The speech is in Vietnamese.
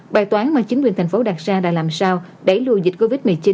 bài toán mà chính quyền thành phố đặt ra là làm sao đẩy lùi dịch covid một mươi chín